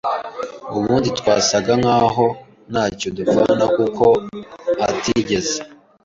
ubundi twasaga nk’aho ntacyo dupfana kuko atigeze